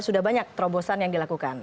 sudah banyak terobosan yang dilakukan